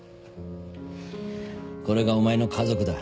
これがお前の家族だ。